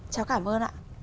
cháu cảm ơn ạ